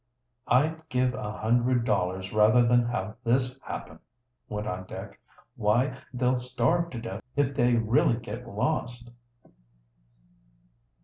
"I'd give a hundred dollars rather than have this happen," went on Dick. "Why, they'll starve to death if they really get lost!"